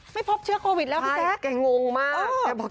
ไม่พบเชื้อโควิดแล้วพี่แจ๊กแกงงมาก